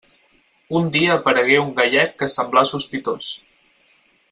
Un dia aparegué un gallec que semblà sospitós.